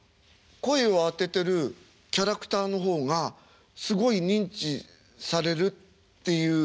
声をあててるキャラクターの方がすごい認知されるっていうのはどんな感じ。